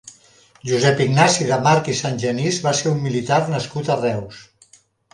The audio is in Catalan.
Josep Ignasi de March i Santgenís va ser un militar nascut a Reus.